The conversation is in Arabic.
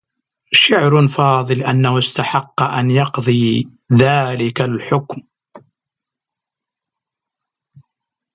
شعر فاضل أنّه استحقّ أن يقضي ذلك الحكم.